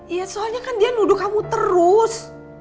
iya soalnya kan dia nuduh kamu terus